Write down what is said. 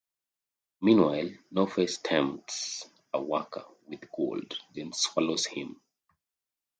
Meanwhile, No-Face tempts a worker with gold, then swallows him.